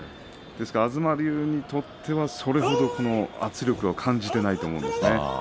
ですから東龍にとってそれほど圧力を感じていないと思うんですね。